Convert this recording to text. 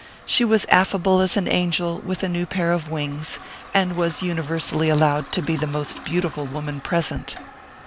She was affable as an angel with a new pair of wings, and was uni versally allowed to be the most beautiful woman present.